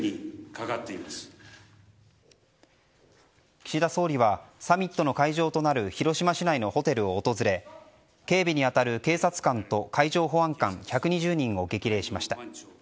岸田総理はサミットの会場となる広島市内のホテルを訪れ警備に当たる警察官と海上保安官１２０人を激励しました。